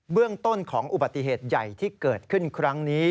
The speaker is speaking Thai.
เรื่องต้นของอุบัติเหตุใหญ่ที่เกิดขึ้นครั้งนี้